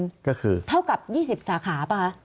๒๐จุดจ่ายเงินเท่ากับ๒๐สาขาเปล่าครับ